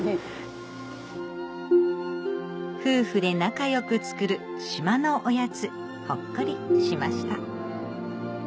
夫婦で仲良く作る島のおやつほっこりしました